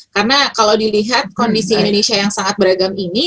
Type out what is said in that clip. karena kalau dilihat kondisi indonesia yang sangat beragam ini